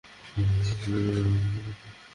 হয়তো হাঁস ওর গায়ে হেগে দিয়েছে।